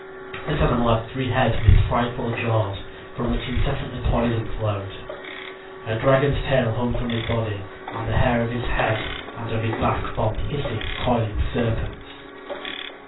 This animal had three heads with frightful jaws, from which incessantly poison flowed. A dragon's tail hung from his body, and the hair of his head and of his back formed hissing, coiling serpents.